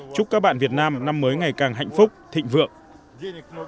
chúc các bạn việt nam năm mới ngày càng hạnh phúc thịnh vượng